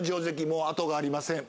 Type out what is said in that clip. もうあとがありません